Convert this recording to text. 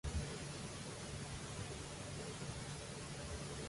Fue hija de un maquinista.